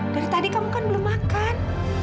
dari tadi kamu kan belum makan